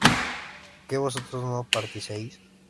¿que vosotros no partieseis?